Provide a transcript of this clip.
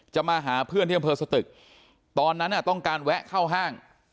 จะมาหาเพื่อนที่บริเวณบริเวณสตรกตอนนั้นต้องการแวะเข้าห้าง